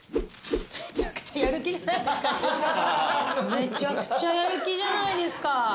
めちゃくちゃやる気じゃないですか。